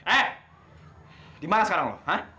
eh dimana sekarang lo